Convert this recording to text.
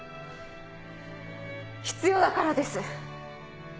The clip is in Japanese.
必要だからです！